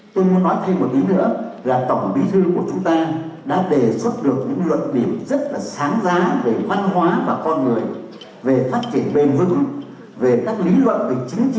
tôi muốn nói thêm một tí nữa là tổng bí thư của chúng ta đã đề xuất được những luận điệu